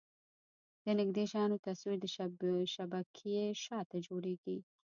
د نږدې شیانو تصویر د شبکیې شاته جوړېږي.